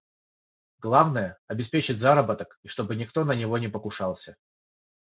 Главное – обеспечить заработок и чтобы никто на него не покушался.